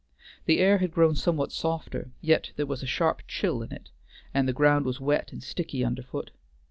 The air had grown somewhat softer, yet there was a sharp chill in it, and the ground was wet and sticky under foot.